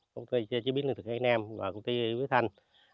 công ty chế biến liên tục việt nam và công ty việt thanh